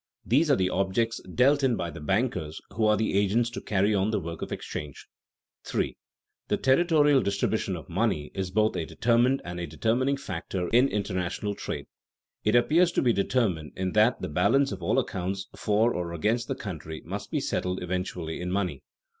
These are the objects dealt in by the bankers who are the agents to carry on the work of exchange. [Sidenote: Relations of the international flow of goods to the flow of money] 3. The territorial distribution of money is both a determined and a determining factor in international trade. It appears to be determined in that the balance of all accounts for or against the country must be settled eventually in money.